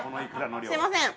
すみません。